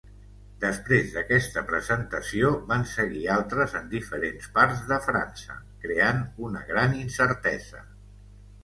Després d'aquesta presentació van seguir altres en diferents parts de França, creant una gran incertesa.